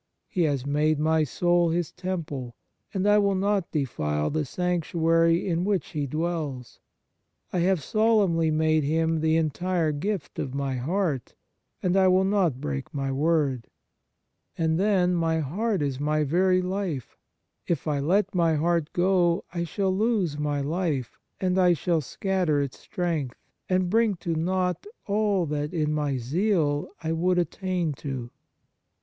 He has made my soul His temple, and I will not defile the sanctuary in which He dwells. I have solemnly made Him the entire gift of my heart, and I will not break my word. And then, my heart is my very life ; if I let my heart go I shall lose my life, and I shall scatter its strength, and bring to naught all that, in my zeal, I would attain to."